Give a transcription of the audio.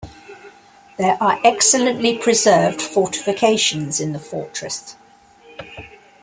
There are excellently preserved fortifications in the fortress.